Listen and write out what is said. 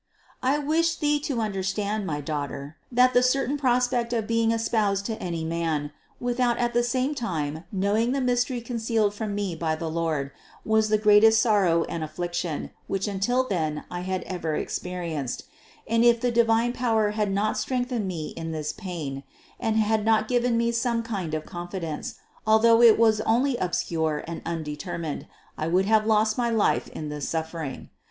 753. I wish Thee to understand, my daughter, that the certain prospect of being espoused to any man, with out at the same time knowing the mystery concealed from me by the Lord, was the greatest sorrow and af fliction, which until then I had ever experienced; and if the divine power had not strengthened me in this pain, and had not given me some kind of confidence, although it was only obscure and undetermined, I would have lost my life in this suffering.